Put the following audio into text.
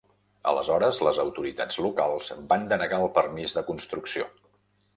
Aleshores, les autoritats locals van denegar el permís de construcció.